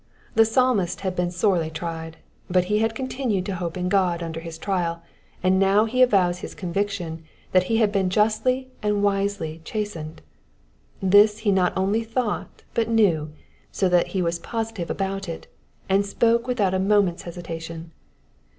The Psalmist had been sorely tried, but he had con tinued to hope in God under his trial, and now he avows his conviction that he had been justly and wisely chastened. This he not only thought but knew, so that he was positive about it, and spoke without a moment's hesi tation.